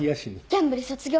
ギャンブル卒業？